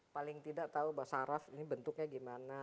paling tidak tahu bahwa saraf ini bentuknya gimana